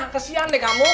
kesian deh kamu